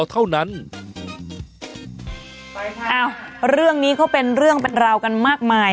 เท่านั้นเรื่องนี้ก็เป็นเรื่องเป็นราวกันมากมาย